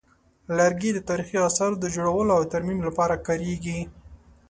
لرګي د تاریخي اثارو د جوړولو او ترمیم لپاره کارېږي.